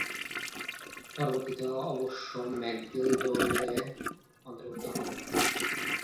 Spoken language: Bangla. পরবর্তীতে অবশ্য ম্যাকগিল দলে অন্তর্ভুক্ত হন।